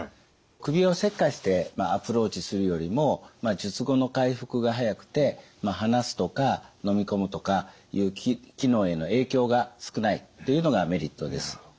首を切開してアプローチするよりも術後の回復が早くて話すとか飲み込むとかいう機能への影響が少ないというのがメリットです。